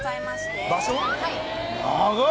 はい。